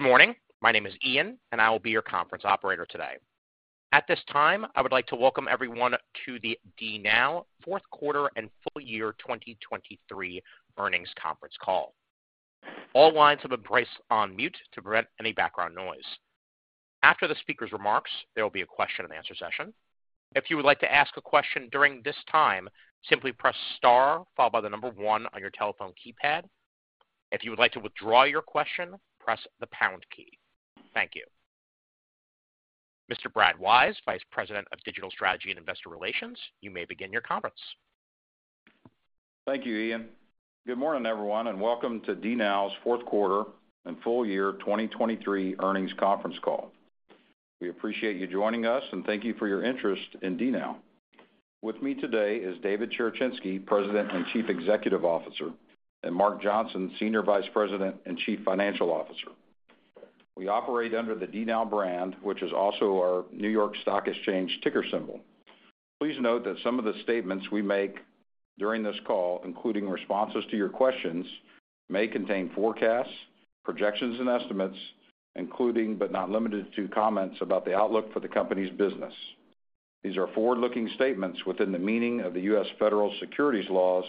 Good morning. My name is Ian, and I will be your conference operator today. At this time, I would like to welcome everyone to the DNOW fourth quarter and full year 2023 earnings conference call. All lines have been placed on mute to prevent any background noise. After the speaker's remarks, there will be a question-and-answer session. If you would like to ask a question during this time, simply press * followed by the number 1 on your telephone keypad. If you would like to withdraw your question, press the pound key. Thank you. Mr. Brad Wise, Vice President of Digital Strategy and Investor Relations, you may begin your conference. Thank you, Ian. Good morning, everyone, and welcome to DNOW's fourth quarter and full year 2023 earnings conference call. We appreciate you joining us, and thank you for your interest in DNOW. With me today is David Cherechinsky, President and Chief Executive Officer, and Mark Johnson, Senior Vice President and Chief Financial Officer. We operate under the DNOW brand, which is also our New York Stock Exchange ticker symbol. Please note that some of the statements we make during this call, including responses to your questions, may contain forecasts, projections, and estimates, including but not limited to comments about the outlook for the company's business. These are forward-looking statements within the meaning of the U.S. Federal Securities Laws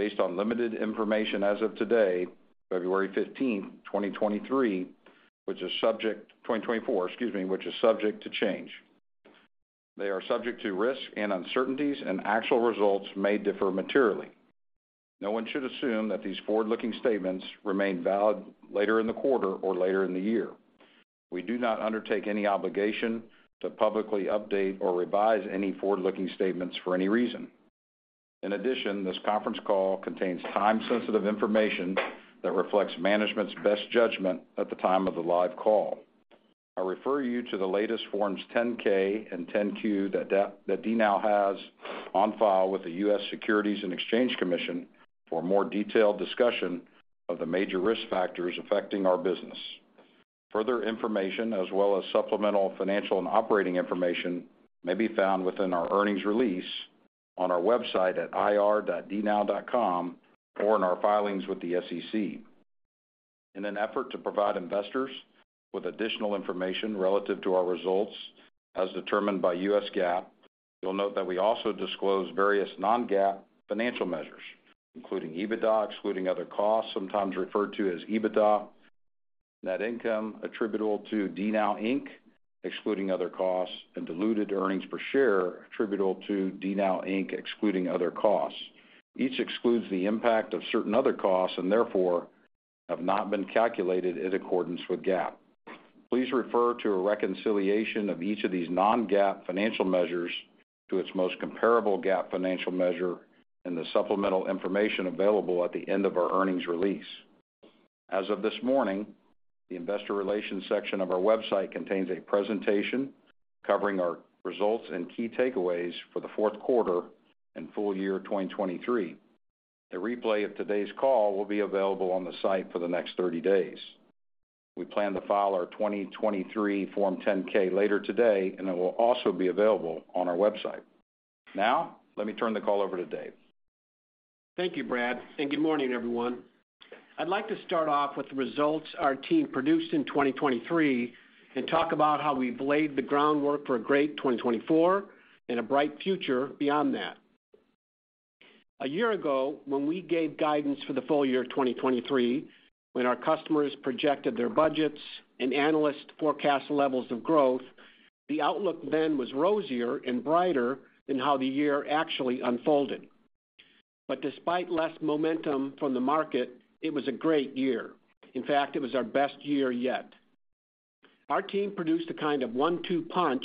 based on limited information as of today, February 15, 2024, excuse me, which is subject to change. They are subject to risk and uncertainties, and actual results may differ materially. No one should assume that these forward-looking statements remain valid later in the quarter or later in the year. We do not undertake any obligation to publicly update or revise any forward-looking statements for any reason. In addition, this conference call contains time-sensitive information that reflects management's best judgment at the time of the live call. I refer you to the latest Forms 10-K and 10-Q that DNOW has on file with the U.S. Securities and Exchange Commission for more detailed discussion of the major risk factors affecting our business. Further information, as well as supplemental financial and operating information, may be found within our earnings release on our website at ir.dnow.com or in our filings with the SEC. In an effort to provide investors with additional information relative to our results as determined by U.S. GAAP, you'll note that we also disclose various non-GAAP financial measures, including EBITDA, excluding other costs, sometimes referred to as EBITDA, net income attributable to DNOW, Inc., excluding other costs, and diluted earnings per share attributable to DNOW, Inc., excluding other costs. Each excludes the impact of certain other costs and, therefore, have not been calculated in accordance with GAAP. Please refer to a reconciliation of each of these non-GAAP financial measures to its most comparable GAAP financial measure in the supplemental information available at the end of our earnings release. As of this morning, the investor relations section of our website contains a presentation covering our results and key takeaways for the fourth quarter and full year 2023. A replay of today's call will be available on the site for the next 30 days. We plan to file our 2023 Form 10-K later today, and it will also be available on our website. Now, let me turn the call over to Dave. Thank you, Brad, and good morning, everyone. I'd like to start off with the results our team produced in 2023 and talk about how we've laid the groundwork for a great 2024 and a bright future beyond that. A year ago, when we gave guidance for the full year 2023, when our customers projected their budgets and analysts forecast levels of growth, the outlook then was rosier and brighter than how the year actually unfolded. But despite less momentum from the market, it was a great year. In fact, it was our best year yet. Our team produced a kind of one-two punch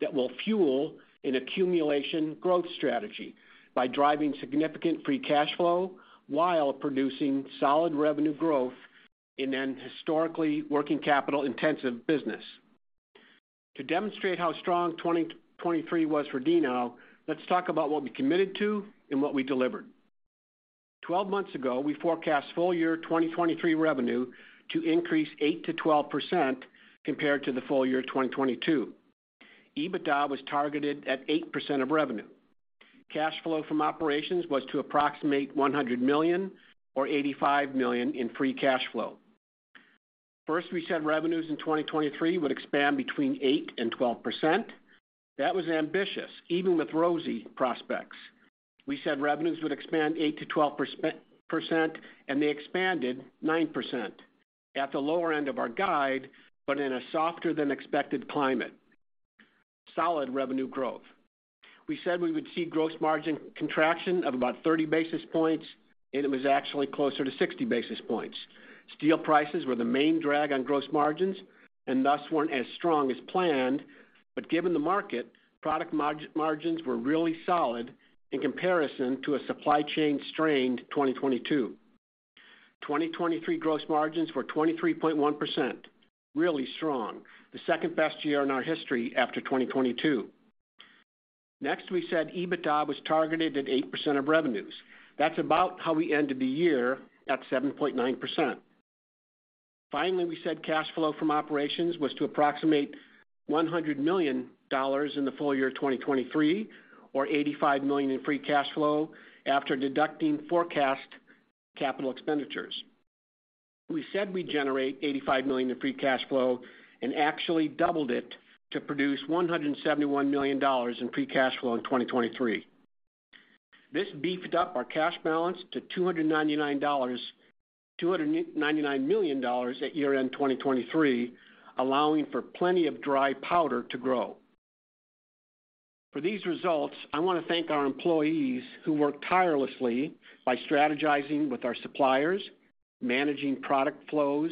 that will fuel an accumulation growth strategy by driving significant free cash flow while producing solid revenue growth in an historically working capital intensive business. To demonstrate how strong 2023 was for DNOW, let's talk about what we committed to and what we delivered. 12 months ago, we forecast full year 2023 revenue to increase 8%-12% compared to the full year 2022. EBITDA was targeted at 8% of revenue. Cash flow from operations was to approximate $100 million or $85 million in free cash flow. First, we said revenues in 2023 would expand between 8% and 12%. That was ambitious, even with rosy prospects. We said revenues would expand 8%-12%, and they expanded 9% at the lower end of our guide, but in a softer-than-expected climate: solid revenue growth. We said we would see gross margin contraction of about 30 basis points, and it was actually closer to 60 basis points. Steel prices were the main drag on gross margins and thus weren't as strong as planned, but given the market, product margins were really solid in comparison to a supply chain strained 2022. 2023 gross margins were 23.1%, really strong, the second best year in our history after 2022. Next, we said EBITDA was targeted at 8% of revenues. That's about how we ended the year at 7.9%. Finally, we said cash flow from operations was to approximate $100 million in the full year 2023 or $85 million in free cash flow after deducting forecast capital expenditures. We said we'd generate $85 million in free cash flow and actually doubled it to produce $171 million in free cash flow in 2023. This beefed up our cash balance to $299 million at year-end 2023, allowing for plenty of dry powder to grow. For these results, I want to thank our employees who worked tirelessly by strategizing with our suppliers, managing product flows,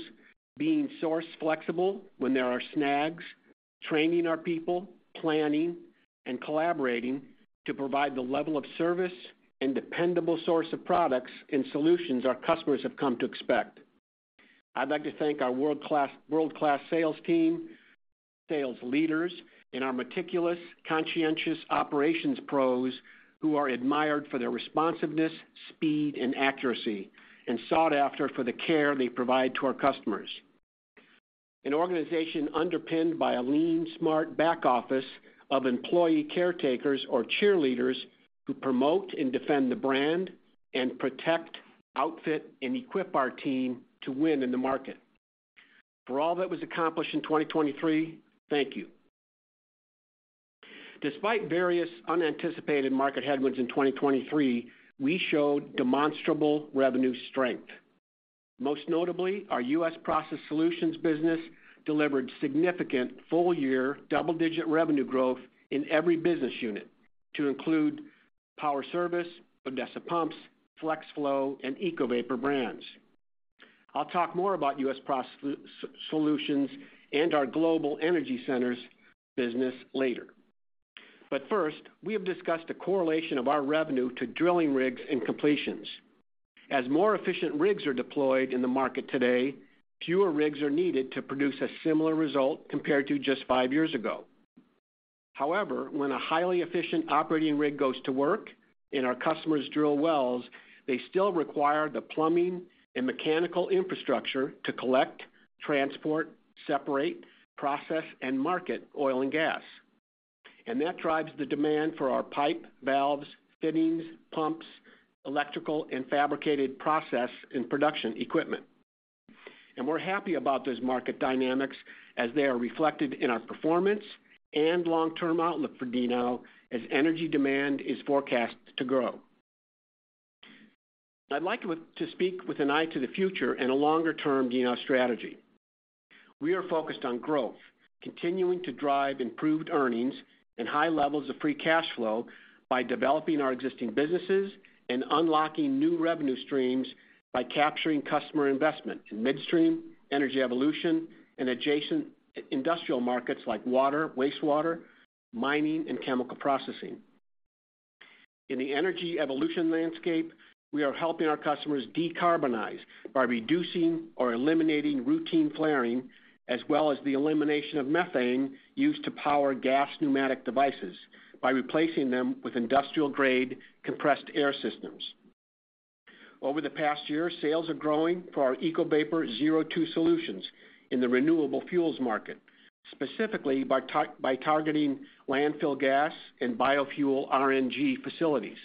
being source-flexible when there are snags, training our people, planning, and collaborating to provide the level of service and dependable source of products and solutions our customers have come to expect. I'd like to thank our world-class sales team, sales leaders, and our meticulous, conscientious operations pros who are admired for their responsiveness, speed, and accuracy, and sought after for the care they provide to our customers. An organization underpinned by a lean, smart back office of employee caretakers or cheerleaders who promote and defend the brand and protect, outfit, and equip our team to win in the market. For all that was accomplished in 2023, thank you. Despite various unanticipated market headwinds in 2023, we showed demonstrable revenue strength. Most notably, our U.S. Process solutions business delivered significant full-year double-digit revenue growth in every business unit, to include Power Service, Odessa Pumps, Flex Flow, and EcoVapor brands. I'll talk more about U.S. Process Solutions and our global energy centers business later. But first, we have discussed a correlation of our revenue to drilling rigs and completions. As more efficient rigs are deployed in the market today, fewer rigs are needed to produce a similar result compared to just five years ago. However, when a highly efficient operating rig goes to work in our customers' drill wells, they still require the plumbing and mechanical infrastructure to collect, transport, separate, process, and market oil and gas. That drives the demand for our pipe, valves, fittings, pumps, electrical and fabricated process and production equipment. We're happy about those market dynamics as they are reflected in our performance and long-term outlook for DNOW as energy demand is forecast to grow. I'd like to speak with an eye to the future and a longer-term DNOW strategy. We are focused on growth, continuing to drive improved earnings and high levels of free cash flow by developing our existing businesses and unlocking new revenue streams by capturing customer investment in midstream energy evolution and adjacent industrial markets like water, wastewater, mining, and chemical processing. In the energy evolution landscape, we are helping our customers decarbonize by reducing or eliminating routine flaring, as well as the elimination of methane used to power gas pneumatic devices by replacing them with industrial-grade compressed air systems. Over the past year, sales are growing for our EcoVapor ZerO2 solutions in the renewable fuels market, specifically by targeting landfill gas and biofuel RNG facilities.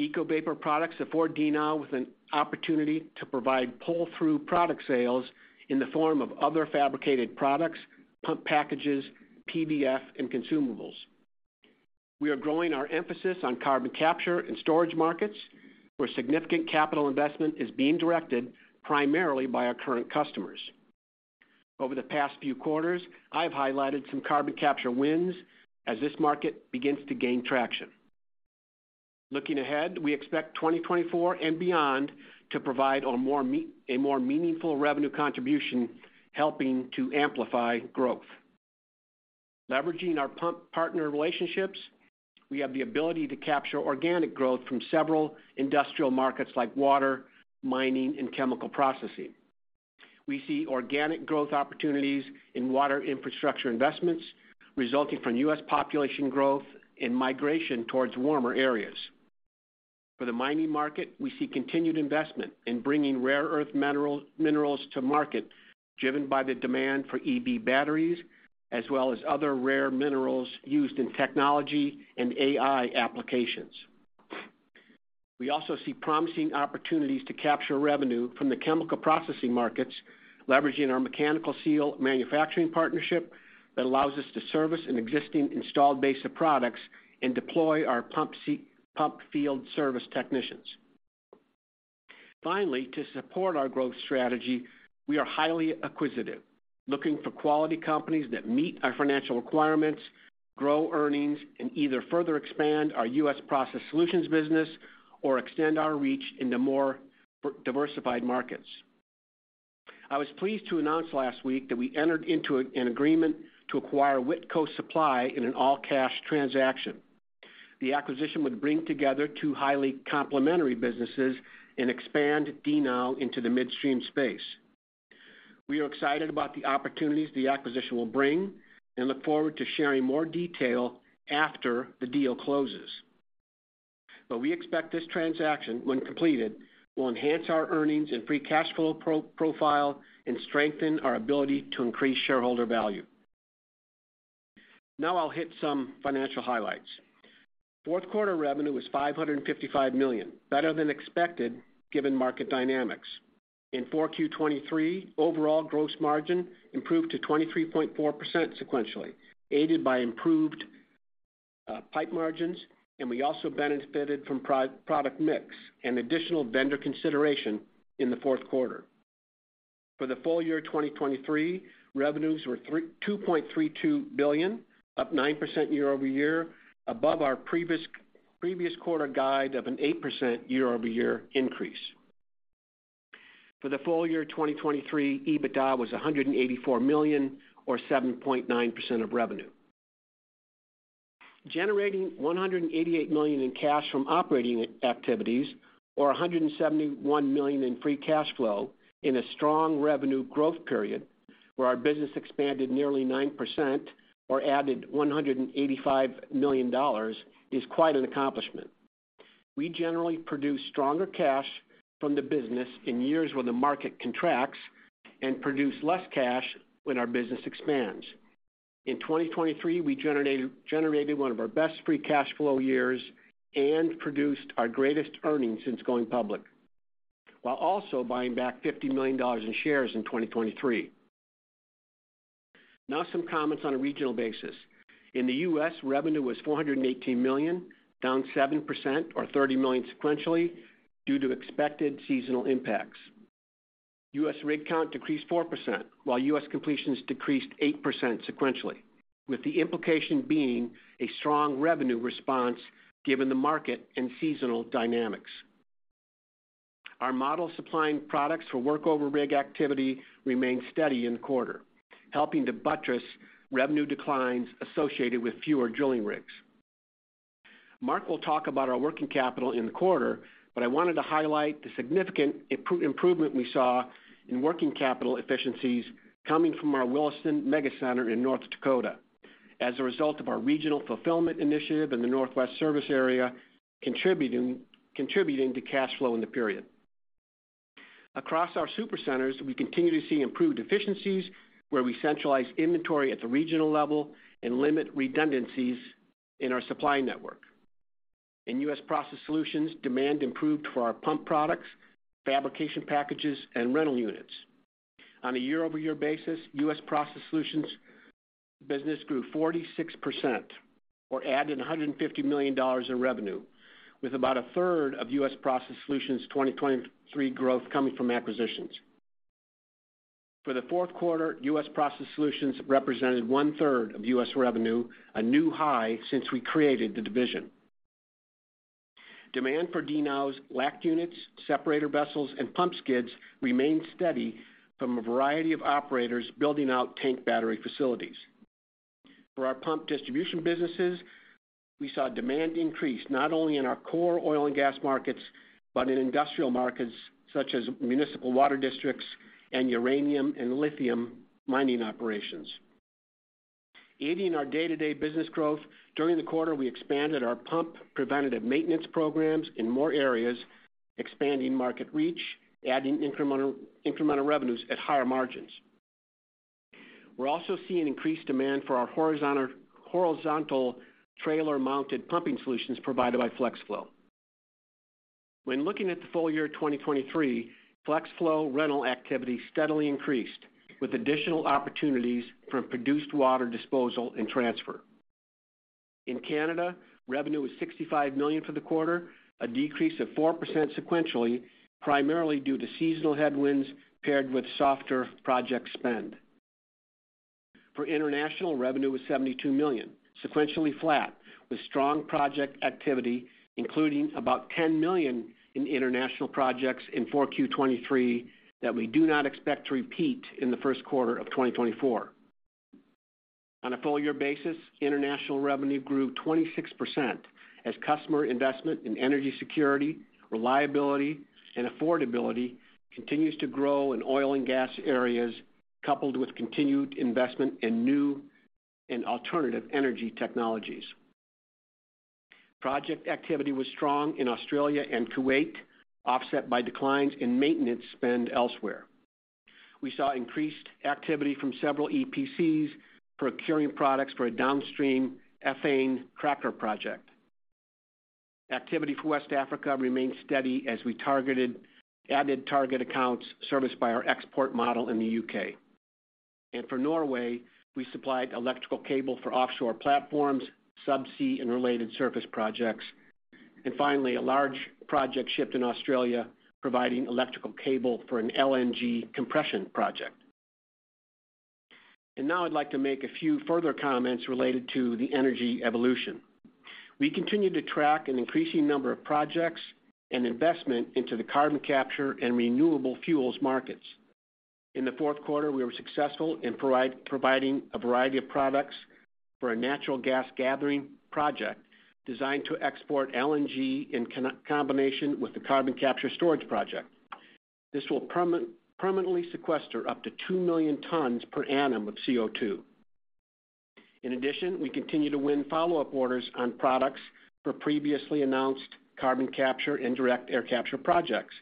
EcoVapor products afford DNOW with an opportunity to provide pull-through product sales in the form of other fabricated products, pump packages, PVF, and consumables. We are growing our emphasis on carbon capture and storage markets, where significant capital investment is being directed primarily by our current customers. Over the past few quarters, I've highlighted some carbon capture wins as this market begins to gain traction. Looking ahead, we expect 2024 and beyond to provide a more meaningful revenue contribution, helping to amplify growth. Leveraging our pump partner relationships, we have the ability to capture organic growth from several industrial markets like water, mining, and chemical processing. We see organic growth opportunities in water infrastructure investments, resulting from U.S. population growth and migration toward warmer areas. For the mining market, we see continued investment in bringing rare earth minerals to market, driven by the demand for EV batteries, as well as other rare minerals used in technology and AI applications. We also see promising opportunities to capture revenue from the chemical processing markets, leveraging our mechanical seal manufacturing partnership that allows us to service an existing installed base of products and deploy our pump field service technicians. Finally, to support our growth strategy, we are highly acquisitive, looking for quality companies that meet our financial requirements, grow earnings, and either further expand our U.S. process solutions business or extend our reach into more diversified markets. I was pleased to announce last week that we entered into an agreement to acquire Whitco Supply in an all-cash transaction. The acquisition would bring together two highly complementary businesses and expand DNOW into the midstream space. We are excited about the opportunities the acquisition will bring and look forward to sharing more detail after the deal closes. But we expect this transaction, when completed, will enhance our earnings and free cash flow profile and strengthen our ability to increase shareholder value. Now I'll hit some financial highlights. Fourth quarter revenue was $555 million, better than expected given market dynamics. In 4Q23, overall gross margin improved to 23.4% sequentially, aided by improved pipe margins, and we also benefited from product mix and additional vendor consideration in the fourth quarter. For the full year 2023, revenues were $2.32 billion, up 9% year-over-year, above our previous quarter guide of an 8% year-over-year increase. For the full year 2023, EBITDA was $184 million or 7.9% of revenue, generating $188 million in cash from operating activities or $171 million in free cash flow in a strong revenue growth period, where our business expanded nearly 9% or added $185 million is quite an accomplishment. We generally produce stronger cash from the business in years when the market contracts and produce less cash when our business expands. In 2023, we generated one of our best free cash flow years and produced our greatest earnings since going public, while also buying back $50 million in shares in 2023. Now some comments on a regional basis. In the U.S., revenue was $418 million, down 7% or $30 million sequentially due to expected seasonal impacts. U.S. rig count decreased 4%, while U.S. completions decreased 8% sequentially, with the implication being a strong revenue response given the market and seasonal dynamics. Our model supplying products for workover rig activity remained steady in the quarter, helping to buttress revenue declines associated with fewer drilling rigs. Mark will talk about our working capital in the quarter, but I wanted to highlight the significant improvement we saw in working capital efficiencies coming from our Williston Mega Center in North Dakota as a result of our regional fulfillment initiative in the Northwest service area, contributing to cash flow in the period. Across our supercenters, we continue to see improved efficiencies where we centralize inventory at the regional level and limit redundancies in our supply network. In U.S. process solutions, demand improved for our pump products, fabrication packages, and rental units. On a year-over-year basis, U.S. Process Solutions business grew 46% or added $150 million in revenue, with about a third of U.S. Process Solutions 2023 growth coming from acquisitions. For the fourth quarter, U.S. Process Solutions represented one-third of U.S. revenue, a new high since we created the division. Demand for DNOW's LACT units, separator vessels, and pump skids remained steady from a variety of operators building out tank battery facilities. For our pump distribution businesses, we saw demand increase not only in our core oil and gas markets but in industrial markets such as municipal water districts and uranium and lithium mining operations. Aiding our day-to-day business growth, during the quarter we expanded our pump preventative maintenance programs in more areas, expanding market reach, adding incremental revenues at higher margins. We're also seeing increased demand for our horizontal trailer-mounted pumping solutions provided by Flex Flow. When looking at the full year 2023, Flex Flow rental activity steadily increased, with additional opportunities from produced water disposal and transfer. In Canada, revenue was $65 million for the quarter, a decrease of 4% sequentially, primarily due to seasonal headwinds paired with softer project spend. For international, revenue was $72 million, sequentially flat, with strong project activity, including about $10 million in international projects in 4Q23 that we do not expect to repeat in the first quarter of 2024. On a full-year basis, international revenue grew 26% as customer investment in energy security, reliability, and affordability continues to grow in oil and gas areas, coupled with continued investment in new and alternative energy technologies. Project activity was strong in Australia and Kuwait, offset by declines in maintenance spend elsewhere. We saw increased activity from several EPCs procuring products for a downstream ethane cracker project. Activity for West Africa remained steady as we added target accounts serviced by our export model in the U.K. For Norway, we supplied electrical cable for offshore platforms, subsea, and related surface projects. Finally, a large project shipped in Australia providing electrical cable for an LNG compression project. Now I'd like to make a few further comments related to the energy evolution. We continue to track an increasing number of projects and investment into the carbon capture and renewable fuels markets. In the fourth quarter, we were successful in providing a variety of products for a natural gas gathering project designed to export LNG in combination with the carbon capture storage project. This will permanently sequester up to 2 million tons per annum of CO2. In addition, we continue to win follow-up orders on products for previously announced carbon capture and direct air capture projects,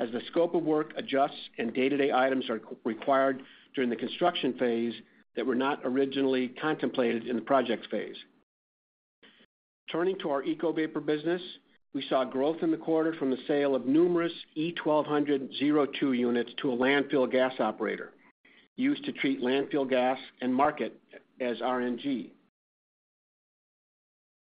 as the scope of work adjusts and day-to-day items are required during the construction phase that were not originally contemplated in the projects phase. Turning to our EcoVapor business, we saw growth in the quarter from the sale of numerous E1200 ZerO2 units to a landfill gas operator used to treat landfill gas and market as RNG.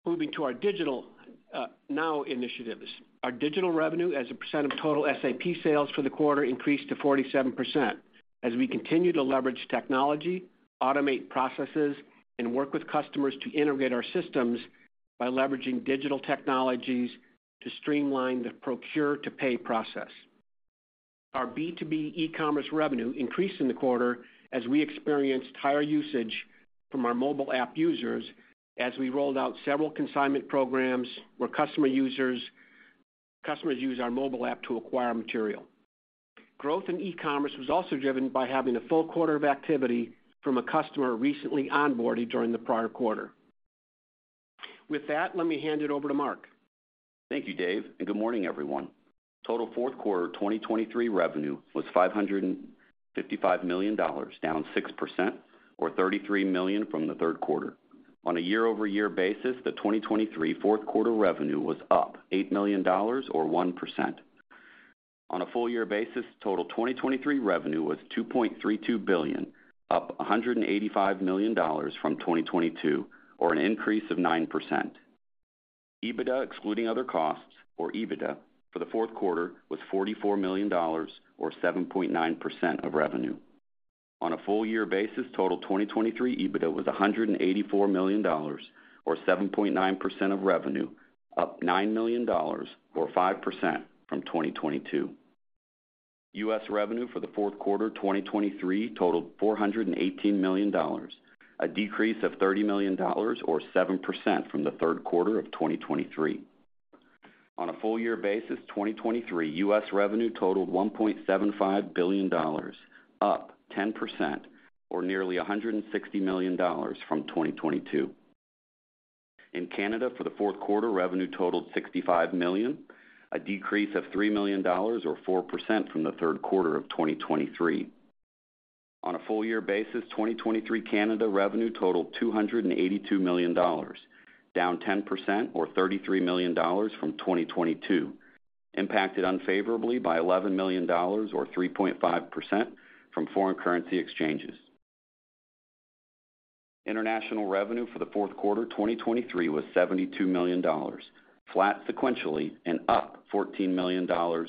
Moving to our DigitalNOW initiatives, our digital revenue as a % of total SAP sales for the quarter increased to 47% as we continue to leverage technology, automate processes, and work with customers to integrate our systems by leveraging digital technologies to streamline the procure-to-pay process. Our B2B e-commerce revenue increased in the quarter as we experienced higher usage from our mobile app users as we rolled out several consignment programs where customers use our mobile app to acquire material. Growth in e-commerce was also driven by having a full quarter of activity from a customer recently onboarded during the prior quarter. With that, let me hand it over to Mark. Thank you, Dave, and good morning, everyone. Total fourth quarter 2023 revenue was $555 million, down 6% or $33 million from the third quarter. On a year-over-year basis, the 2023 fourth quarter revenue was up $8 million or 1%. On a full-year basis, total 2023 revenue was $2.32 billion, up $185 million from 2022 or an increase of 9%. EBITDA, excluding other costs or EBITDA, for the fourth quarter was $44 million or 7.9% of revenue. On a full-year basis, total 2023 EBITDA was $184 million or 7.9% of revenue, up $9 million or 5% from 2022. U.S. revenue for the fourth quarter 2023 totaled $418 million, a decrease of $30 million or 7% from the third quarter of 2023. On a full-year basis, 2023 U.S. revenue totaled $1.75 billion, up 10% or nearly $160 million from 2022. In Canada, for the fourth quarter, revenue totaled $65 million, a decrease of $3 million or 4% from the third quarter of 2023. On a full-year basis, 2023 Canada revenue totaled $282 million, down 10% or $33 million from 2022, impacted unfavorably by $11 million or 3.5% from foreign currency exchanges. International revenue for the fourth quarter 2023 was $72 million, flat sequentially and up $14 million or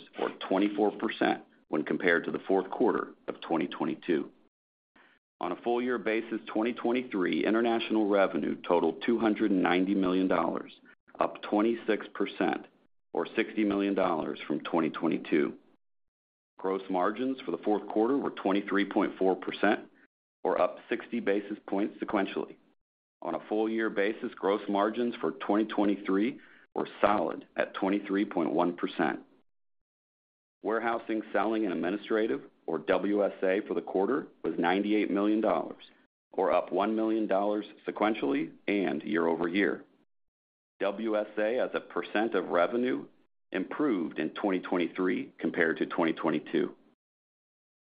24% when compared to the fourth quarter of 2022. On a full-year basis, 2023 international revenue totaled $290 million, up 26% or $60 million from 2022. Gross margins for the fourth quarter were 23.4% or up 60 basis points sequentially. On a full-year basis, gross margins for 2023 were solid at 23.1%. Warehousing, selling, and administrative or WSA for the quarter was $98 million or up $1 million sequentially and year-over-year. WSA as a percent of revenue improved in 2023 compared to 2022.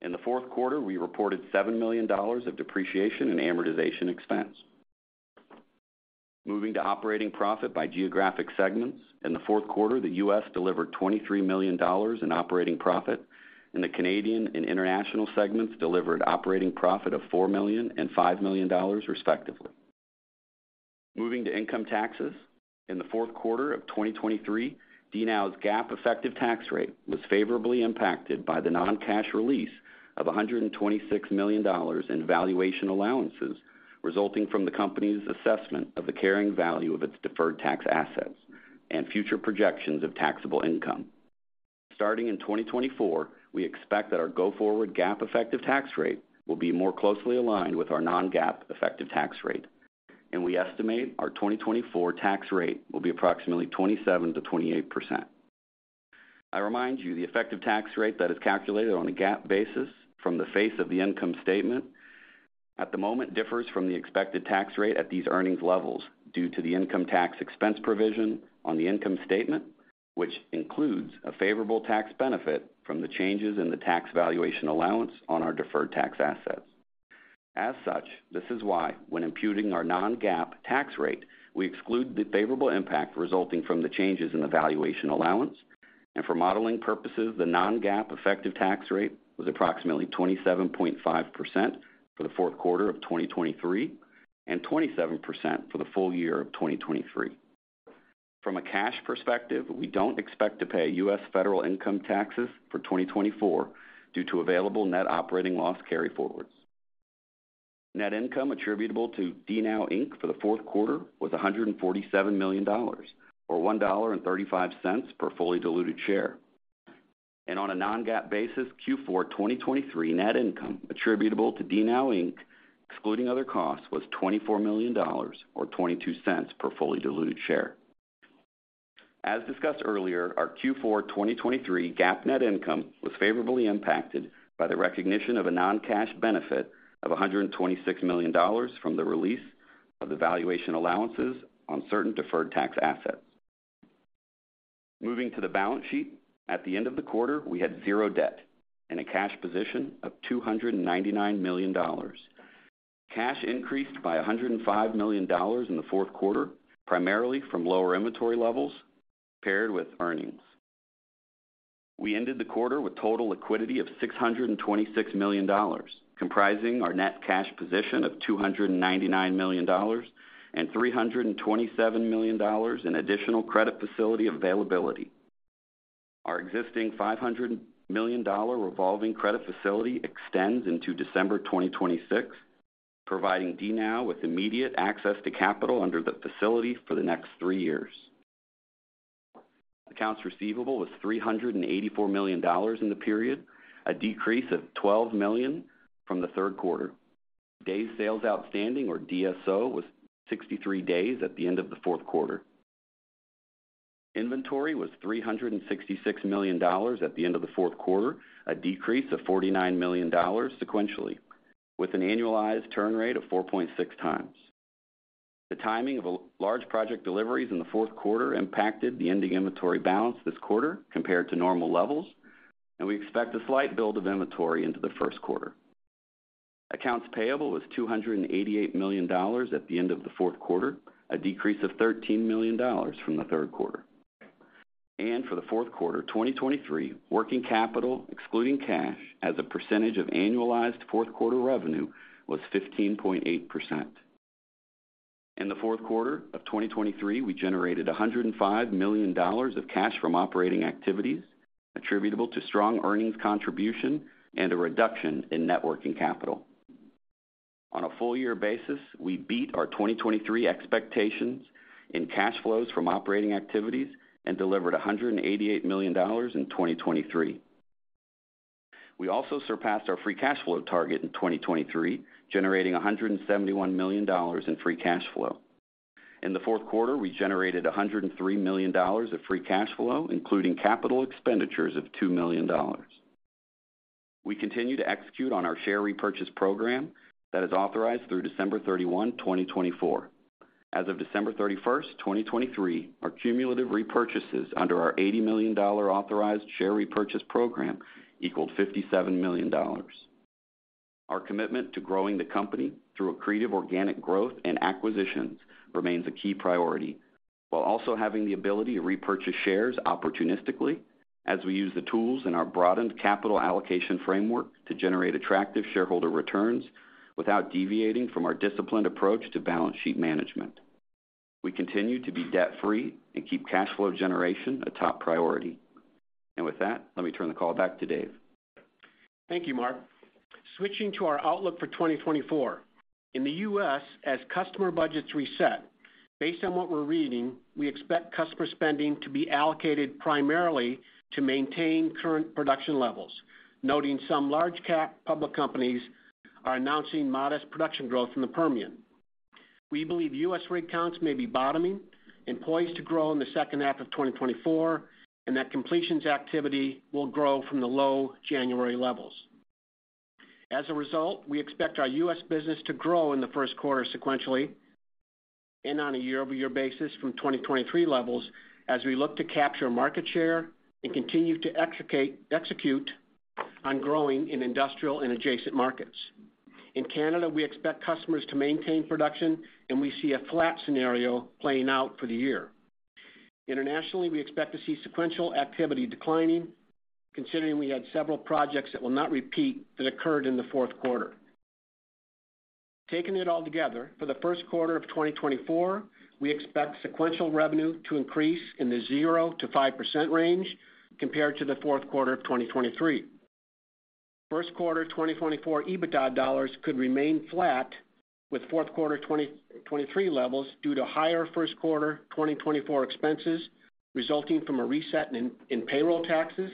In the fourth quarter, we reported $7 million of depreciation and amortization expense. Moving to operating profit by geographic segments, in the fourth quarter the U.S. delivered $23 million in operating profit, and the Canadian and international segments delivered operating profit of $4 million and $5 million, respectively. Moving to income taxes, in the fourth quarter of 2023 DNOW's GAAP effective tax rate was favorably impacted by the non-cash release of $126 million in valuation allowances resulting from the company's assessment of the carrying value of its deferred tax assets and future projections of taxable income. Starting in 2024, we expect that our go-forward GAAP effective tax rate will be more closely aligned with our non-GAAP effective tax rate, and we estimate our 2024 tax rate will be approximately 27%-28%. I remind you the effective tax rate that is calculated on a GAAP basis from the face of the income statement at the moment differs from the expected tax rate at these earnings levels due to the income tax expense provision on the income statement, which includes a favorable tax benefit from the changes in the tax valuation allowance on our deferred tax assets. As such, this is why when computing our non-GAAP tax rate, we exclude the favorable impact resulting from the changes in the valuation allowance, and for modeling purposes, the non-GAAP effective tax rate was approximately 27.5% for the fourth quarter of 2023 and 27% for the full year of 2023. From a cash perspective, we don't expect to pay U.S. federal income taxes for 2024 due to available net operating loss carry-forwards. Net income attributable to DNOW Inc. for the fourth quarter was $147 million or $1.35 per fully diluted share, and on a non-GAAP basis, Q4 2023 net income attributable to DNOW Inc., excluding other costs, was $24 million or $0.22 per fully diluted share. As discussed earlier, our Q4 2023 GAAP net income was favorably impacted by the recognition of a non-cash benefit of $126 million from the release of the valuation allowances on certain deferred tax assets. Moving to the balance sheet, at the end of the quarter we had zero debt and a cash position of $299 million. Cash increased by $105 million in the fourth quarter, primarily from lower inventory levels paired with earnings. We ended the quarter with total liquidity of $626 million, comprising our net cash position of $299 million and $327 million in additional credit facility availability. Our existing $500 million revolving credit facility extends into December 2026, providing DNOW with immediate access to capital under the facility for the next three years. Accounts receivable was $384 million in the period, a decrease of $12 million from the third quarter. Days sales outstanding or DSO was 63 days at the end of the fourth quarter. Inventory was $366 million at the end of the fourth quarter, a decrease of $49 million sequentially, with an annualized turn rate of 4.6 times. The timing of large project deliveries in the fourth quarter impacted the ending inventory balance this quarter compared to normal levels, and we expect a slight build of inventory into the first quarter. Accounts payable was $288 million at the end of the fourth quarter, a decrease of $13 million from the third quarter. For the fourth quarter 2023, working capital excluding cash as a percentage of annualized fourth quarter revenue was 15.8%. In the fourth quarter of 2023, we generated $105 million of cash from operating activities attributable to strong earnings contribution and a reduction in working capital. On a full-year basis, we beat our 2023 expectations in cash flows from operating activities and delivered $188 million in 2023. We also surpassed our free cash flow target in 2023, generating $171 million in free cash flow. In the fourth quarter, we generated $103 million of free cash flow, including capital expenditures of $2 million. We continue to execute on our share repurchase program that is authorized through December 31, 2024. As of December 31, 2023, our cumulative repurchases under our $80 million authorized share repurchase program equaled $57 million. Our commitment to growing the company through accretive organic growth and acquisitions remains a key priority, while also having the ability to repurchase shares opportunistically as we use the tools in our broadened capital allocation framework to generate attractive shareholder returns without deviating from our disciplined approach to balance sheet management. We continue to be debt-free and keep cash flow generation a top priority. And with that, let me turn the call back to Dave. Thank you, Mark. Switching to our outlook for 2024. In the U.S., as customer budgets reset, based on what we're reading, we expect customer spending to be allocated primarily to maintain current production levels, noting some large-cap public companies are announcing modest production growth in the Permian. We believe U.S. rig counts may be bottoming, employees to grow in the second half of 2024, and that completions activity will grow from the low January levels. As a result, we expect our U.S. business to grow in the first quarter sequentially and on a year-over-year basis from 2023 levels as we look to capture market share and continue to execute on growing in industrial and adjacent markets. In Canada, we expect customers to maintain production, and we see a flat scenario playing out for the year. Internationally, we expect to see sequential activity declining, considering we had several projects that will not repeat that occurred in the fourth quarter. Taking it all together, for the first quarter of 2024, we expect sequential revenue to increase in the 0%-5% range compared to the fourth quarter of 2023. First quarter 2024 EBITDA dollars could remain flat with fourth quarter 2023 levels due to higher first quarter 2024 expenses resulting from a reset in payroll taxes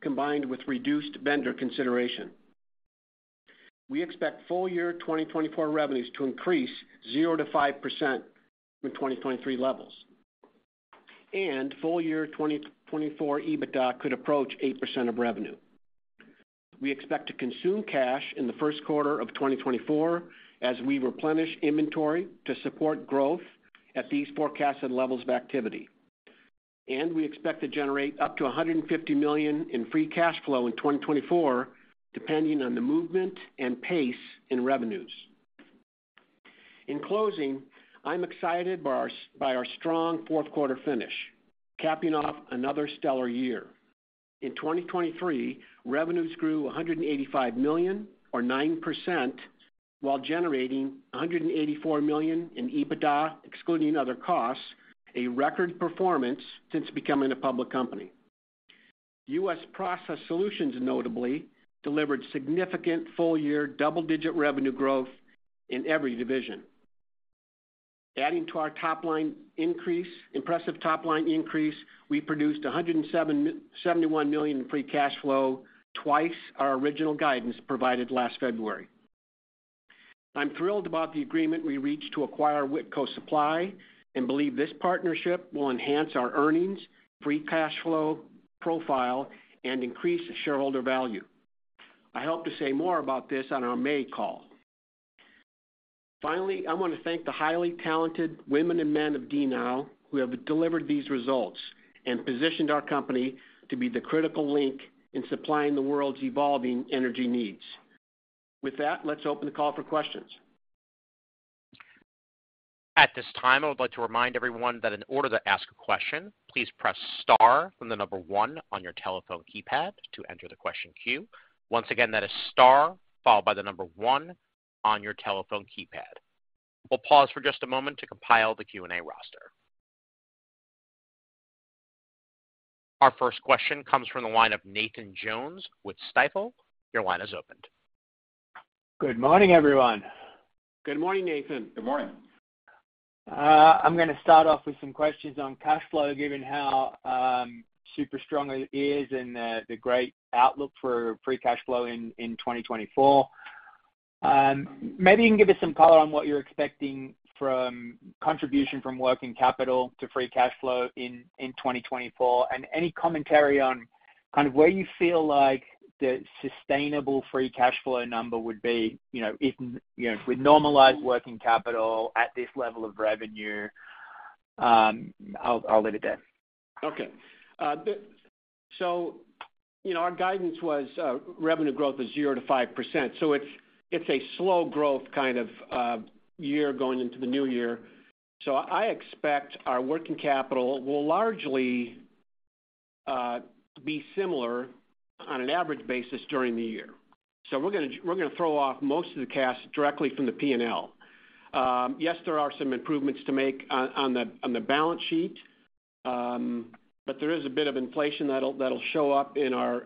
combined with reduced vendor consideration. We expect full-year 2024 revenues to increase 0%-5% from 2023 levels, and full-year 2024 EBITDA could approach 8% of revenue. We expect to consume cash in the first quarter of 2024 as we replenish inventory to support growth at these forecasted levels of activity, and we expect to generate up to $150 million in free cash flow in 2024 depending on the movement and pace in revenues. In closing, I'm excited by our strong fourth quarter finish, capping off another stellar year. In 2023, revenues grew $185 million or 9% while generating $184 million in EBITDA excluding other costs, a record performance since becoming a public company. U.S. process solutions, notably, delivered significant full-year double-digit revenue growth in every division. Adding to our top-line increase, impressive top-line increase, we produced $171 million in free cash flow twice our original guidance provided last February. I'm thrilled about the agreement we reached to acquire Whitco Supply and believe this partnership will enhance our earnings, free cash flow profile, and increase shareholder value. I hope to say more about this on our May call. Finally, I want to thank the highly talented women and men of DNOW who have delivered these results and positioned our company to be the critical link in supplying the world's evolving energy needs. With that, let's open the call for questions. At this time, I would like to remind everyone that in order to ask a question, please press star from the number one on your telephone keypad to enter the question queue. Once again, that is star followed by the number one on your telephone keypad. We'll pause for just a moment to compile the Q&A roster. Our first question comes from the line of Nathan Jones with Stifel. Your line is opened. Good morning, everyone. Good morning, Nathan. Good morning. I'm going to start off with some questions on cash flow given how super strong it is and the great outlook for free cash flow in 2024. Maybe you can give us some color on what you're expecting from contribution from working capital to free cash flow in 2024 and any commentary on kind of where you feel like the sustainable free cash flow number would be with normalized working capital at this level of revenue. I'll leave it there. Okay. So our guidance was revenue growth of 0%-5%. So it's a slow growth kind of year going into the new year. So I expect our working capital will largely be similar on an average basis during the year. So we're going to throw off most So I expect our working capital will largely be similar on an average basis during the year. So we're going to throw off mot of the cash directly from the P&L. Yes, there are some improvements to make on the balance sheet, but there is a bit of inflation that'll show up in our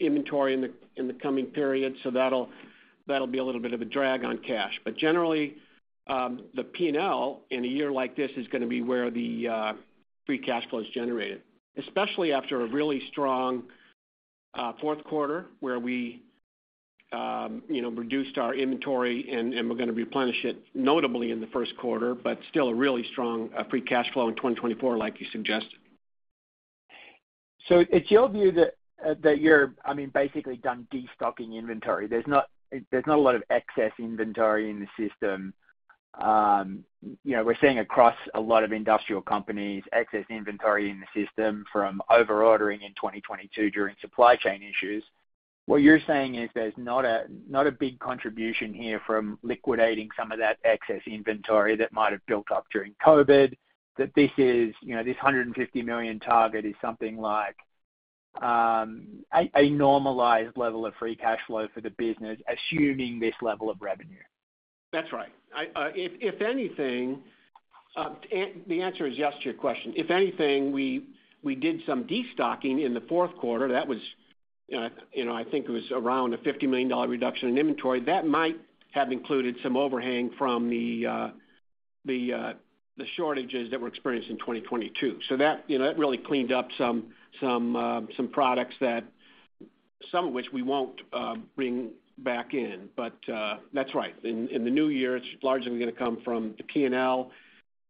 inventory in the coming period, so that'll be a little bit of a drag on cash. But generally, the P&L in a year like this is going to be where the free cash flow is generated, especially after a really strong fourth quarter where we reduced our inventory and we're going to replenish it notably in the first quarter, but still a really strong free cash flow in 2024 like you suggested. So it's your view that you're, I mean, basically done destocking inventory. There's not a lot of excess inventory in the system. We're seeing across a lot of industrial companies excess inventory in the system from overordering in 2022 during supply chain issues. What you're saying is there's not a big contribution here from liquidating some of that excess inventory that might have built up during COVID, that this $150 million target is something like a normalized level of free cash flow for the business assuming this level of revenue. That's right. If anything, the answer is yes to your question. If anything, we did some destocking in the fourth quarter. That was, I think it was around a $50 million reduction in inventory. That might have included some overhang from the shortages that were experienced in 2022. So that really cleaned up some products that some of which we won't bring back in. But that's right. In the new year, it's largely going to come from the P&L,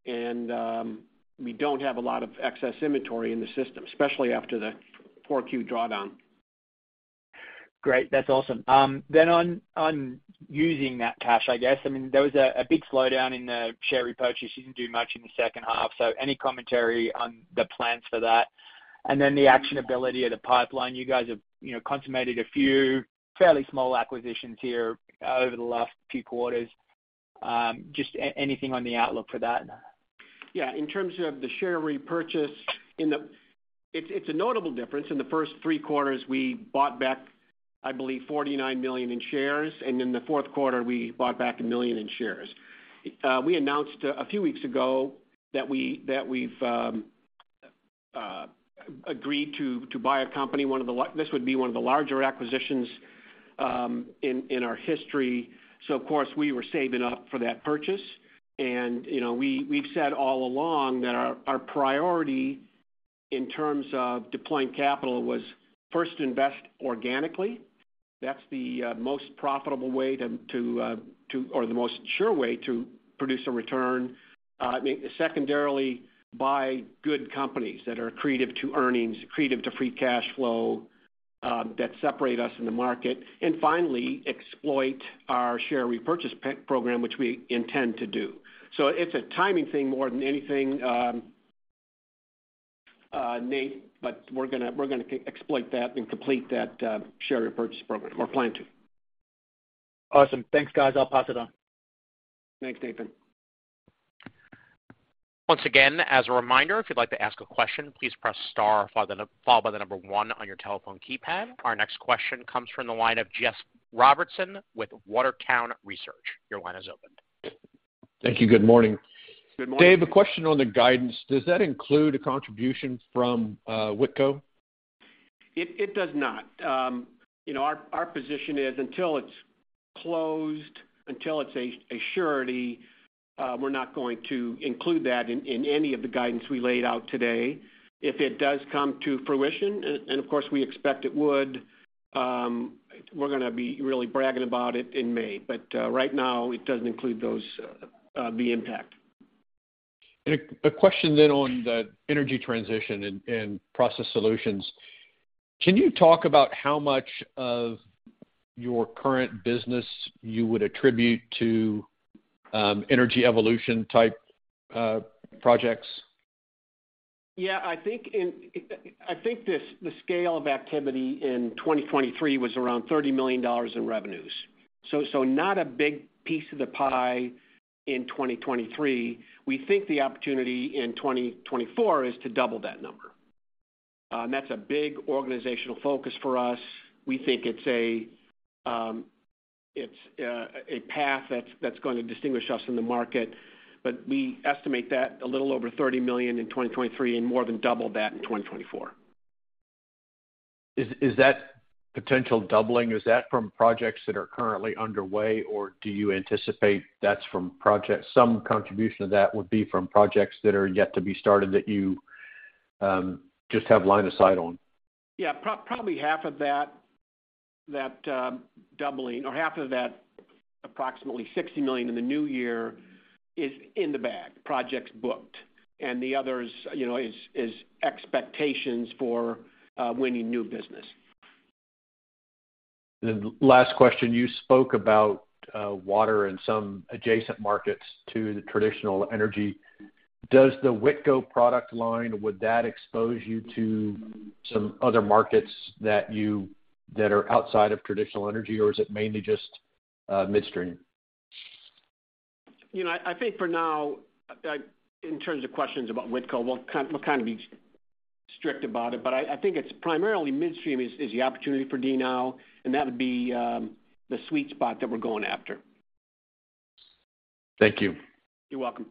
and we don't have a lot of excess inventory in the system, especially after the Q4 drawdown. Great. That's awesome. Then on using that cash, I guess, I mean, there was a big slowdown in the share repurchase. You didn't do much in the second half. So any commentary on the plans for that? And then the actionability of the pipeline, you guys have consummated a few fairly small acquisitions here over the last few quarters. Just anything on the outlook for that? Yeah. In terms of the share repurchase, it's a notable difference. In the first three quarters, we bought back, I believe, $49 million in shares, and in the fourth quarter, we bought back $1 million in shares. We announced a few weeks ago that we've agreed to buy a company, one of these would be one of the larger acquisitions in our history. So, of course, we were saving up for that purchase. And we've said all along that our priority in terms of deploying capital was first invest organically. That's the most profitable way to or the most sure way to produce a return. Secondarily, buy good companies that are accretive to earnings, accretive to free cash flow that separate us in the market. And finally, exploit our share repurchase program, which we intend to do. So it's a timing thing more than anything, Nathan, but we're going to exploit that and complete that share repurchase program or plan to. Awesome. Thanks, guys. I'll pass it on. Thanks, Nathan. Once again, as a reminder, if you'd like to ask a question, please press star followed by the number one on your telephone keypad. Our next question comes from the line of Jeff Robertson with Water Tower Research. Your line is open. Thank you. Good morning. Good morning. Dave, a question on the guidance. Does that include a contribution from Whitco? It does not. Our position is until it's closed, until it's a surety, we're not going to include that in any of the guidance we laid out today. If it does come to fruition, and of course, we expect it would, we're going to be really bragging about it in May. But right now, it doesn't include the impact. And a question then on the energy transition and process solutions. Can you talk about how much of your current business you would attribute to energy evolution-type projects? Yeah. I think the scale of activity in 2023 was around $30 million in revenues. So not a big piece of the pie in 2023. We think the opportunity in 2024 is to double that number. And that's a big organizational focus for us. We think it's a path that's going to distinguish us in the market. But we estimate that a little over $30 million in 2023 and more than double that in 2024. Is that potential doubling, is that from projects that are currently underway, or do you anticipate that's from projects some contribution of that would be from projects that are yet to be started that you just have line of sight on? Yeah. Probably half of that doubling or half of that approximately $60 million in the new year is in the bag, projects booked. And the other is expectations for winning new business. And last question, you spoke about water and some adjacent markets to the traditional energy. Does the Whitco product line, would that expose you to some other markets that are outside of traditional energy, or is it mainly just midstream? I think for now, in terms of questions about Whitco, we'll kind of be strict about it. But I think it's primarily midstream is the opportunity for DNOW, and that would be the sweet spot that we're going after. Thank you. You're welcome.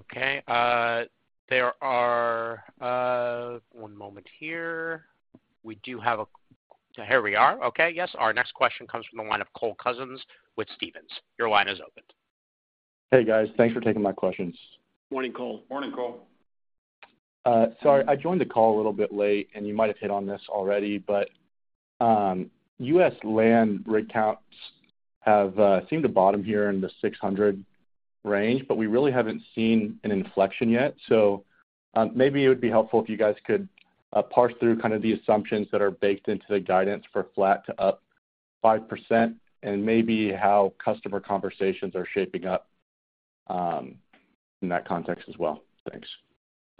Okay. Our next question comes from the line of Cole Couzens with Stephens. Your line is open. Hey, guys. Thanks for taking my questions. Morning, Cole. Morning, Cole. Sorry, I joined the call a little bit late, and you might have hit on this already, but U.S. land rig counts have seemed to bottom here in the 600 range, but we really haven't seen an inflection yet. So maybe it would be helpful if you guys could parse through kind of the assumptions that are baked into the guidance for flat to up 5% and maybe how customer conversations are shaping up in that context as well. Thanks.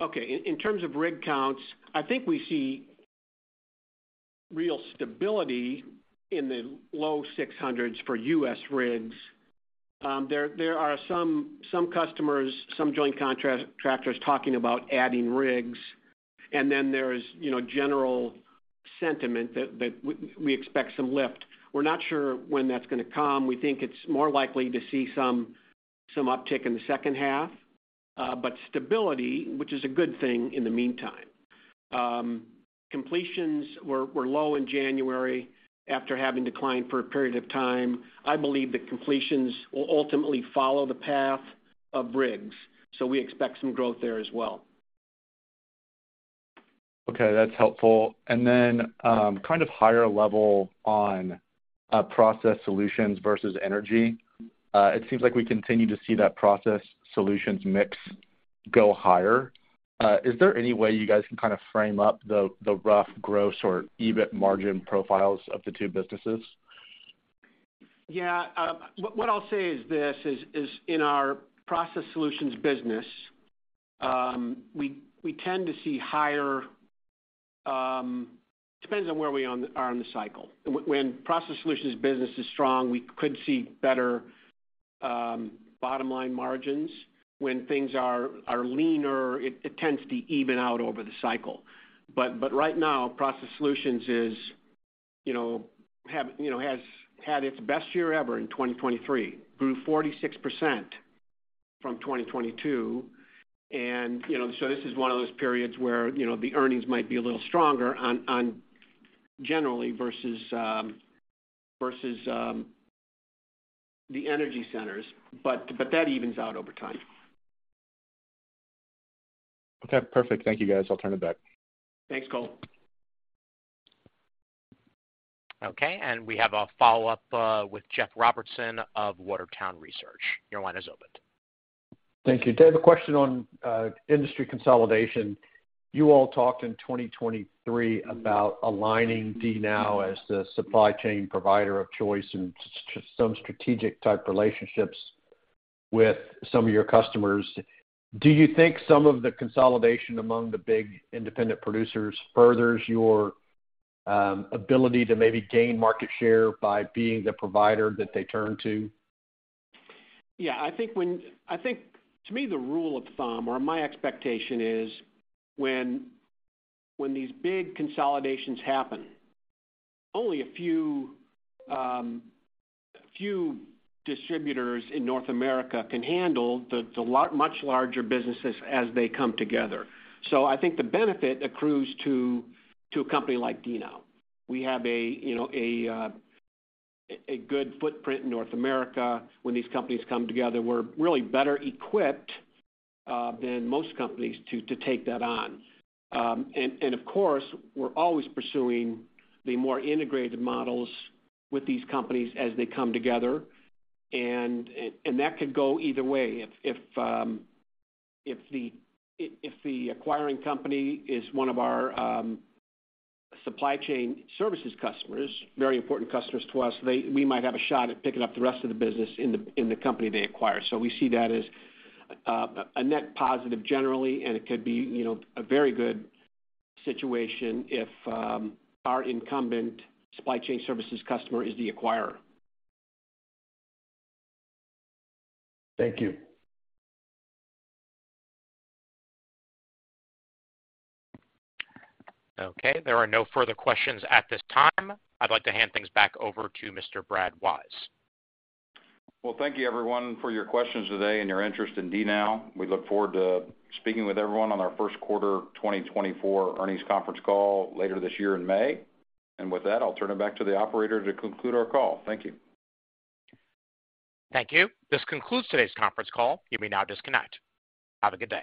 Okay. In terms of rig counts, I think we see real stability in the low 600s for U.S. rigs. There are some customers, some joint contractors talking about adding rigs, and then there's general sentiment that we expect some lift. We're not sure when that's going to come. We think it's more likely to see some uptick in the second half, but stability, which is a good thing in the meantime. Completions were low in January after having declined for a period of time. I believe the completions will ultimately follow the path of rigs. So we expect some growth there as well. Okay. That's helpful. Then kind of higher level on process solutions versus energy, it seems like we continue to see that process solutions mix go higher. Is there any way you guys can kind of frame up the rough gross or EBIT margin profiles of the two businesses? Yeah. What I'll say is this: in our process solutions business, we tend to see higher. It depends on where we are in the cycle. When process solutions business is strong, we could see better bottom-line margins. When things are leaner, it tends to even out over the cycle. But right now, process solutions has had its best year ever in 2023, grew 46% from 2022. And so this is one of those periods where the earnings might be a little stronger generally versus the energy centers, but that evens out over time. Okay. Perfect. Thank you, guys. I'll turn it back. Thanks, Cole. Okay. And we have a follow-up with Jeff Robertson of Water Tower Research. Your line is opened. Thank you. Dave, a question on industry consolidation. You all talked in 2023 about aligning DNOW as the supply chain provider of choice and some strategic-type relationships with some of your customers. Do you think some of the consolidation among the big independent producers furthers your ability to maybe gain market share by being the provider that they turn to? Yeah. I think to me, the rule of thumb or my expectation is when these big consolidations happen, only a few distributors in North America can handle the much larger businesses as they come together. So I think the benefit accrues to a company like DNOW. We have a good footprint in North America. When these companies come together, we're really better equipped than most companies to take that on. Of course, we're always pursuing the more integrated models with these companies as they come together. That could go either way. If the acquiring company is one of our supply chain services customers, very important customers to us, we might have a shot at picking up the rest of the business in the company they acquire. We see that as a net positive generally, and it could be a very good situation if our incumbent supply chain services customer is the acquirer. Thank you. Okay. There are no further questions at this time. I'd like to hand things back over to Mr. Brad Wise. Well, thank you, everyone, for your questions today and your interest in DNOW. We look forward to speaking with everyone on our first quarter 2024 earnings conference call later this year in May. With that, I'll turn it back to the operator to conclude our call. Thank you. Thank you. This concludes today's conference call. You may now disconnect. Have a good day.